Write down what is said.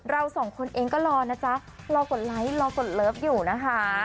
เราสองคนเองก็รอนะจ๊ะรอกดไลค์รอกดเลิฟอยู่นะคะ